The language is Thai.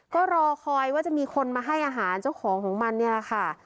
ก็รอคอยว่าจะมีคนมาให้อาหารเจ้าของของมันนี่แหละค่ะ